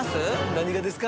何がですか？